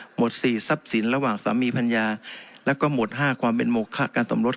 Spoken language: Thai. หมดสี่ทรัพย์สินระหว่างสามีภรรยาแล้วก็หมด๕ความเป็นโมคะการสมรส